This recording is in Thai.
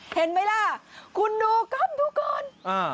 เห็นมั้ยล่ะคุณดูกล้ามดูก่อน